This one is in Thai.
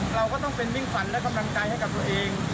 เราก็ต้องเป็นมิ่งขวัญและกำลังใจให้กับตัวเอง